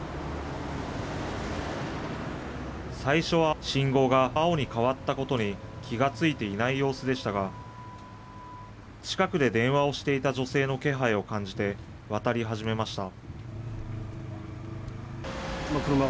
最初は信号が青に変わったことに気がついていない様子でしたが、近くで電話をしていた女性の気配を感じて渡り始めました。